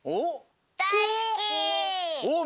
おっ！